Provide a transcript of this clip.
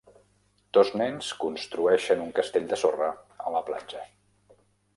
Dos nens construeixen un castell de sorra a la platja.